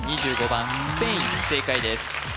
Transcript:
２５番スペイン正解です